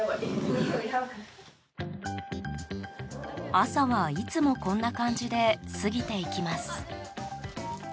朝は、いつもこんな感じで過ぎていきます。